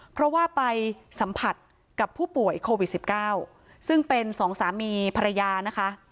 เพราะว่าไปสัมผัสกับผู้ป่วยโควิด๑๙ซึ่งเป็นสองสามีภรรยานะคะ